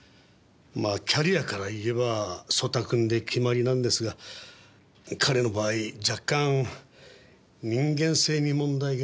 まあキャリアからいえば曽田君で決まりなんですが彼の場合若干人間性に問題が。